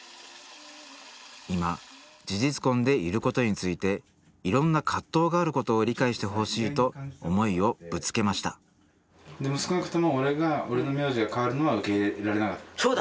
今事実婚でいることについていろんな葛藤があることを理解してほしいと思いをぶつけました少なくとも俺が俺の名字が変わるのは受け入れられなかった？